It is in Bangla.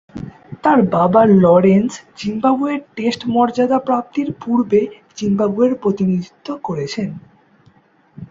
তার বাবা লরেন্স জিম্বাবুয়ের টেস্ট মর্যাদা প্রাপ্তির পূর্বে জিম্বাবুয়ের প্রতিনিধিত্ব করেছেন।